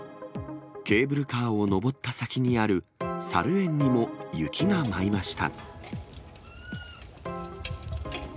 ケーブルカーを登った先にあるさる園にも雪が舞いました。